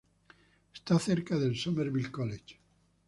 Está cerca del Somerville College.